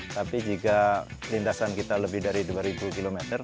tapi jika lintasan kita lebih dari dua ribu km